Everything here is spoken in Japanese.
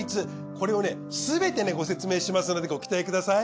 これをすべてご説明しますのでご期待ください。